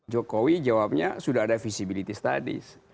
jokowi jawabnya sudah ada visibility studies